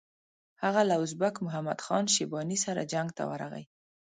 هغه له ازبک محمد خان شیباني سره جنګ ته ورغی.